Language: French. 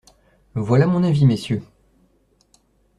Voilà mon avis, Messieurs!